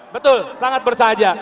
betul sangat bersahaja